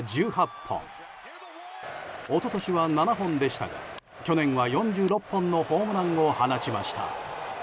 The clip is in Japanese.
一昨年は７本でしたが去年は４６本のホームランを放ちました。